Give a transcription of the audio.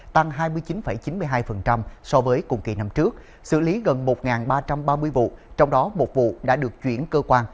tăng hai mươi chín chín mươi hai so với cùng kỳ năm trước xử lý gần một ba trăm ba mươi vụ trong đó một vụ đã được chuyển cơ quan